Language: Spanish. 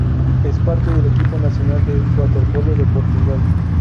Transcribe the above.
Es parte del equipo nacional de waterpolo de Portugal.